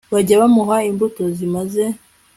bazajya bamuha imbuto zimaze